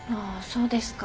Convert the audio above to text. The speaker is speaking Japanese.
そうですか。